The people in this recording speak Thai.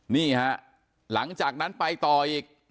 นี่ฮะหลังจากนั้นไปต่ออีก